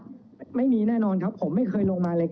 หมายถึงว่าเราได้มีการบันทึกจับกลุ่มเขาหรือหลังเกิดเหตุแล้วเนี่ย